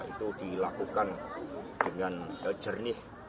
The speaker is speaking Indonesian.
itu dilakukan dengan jernih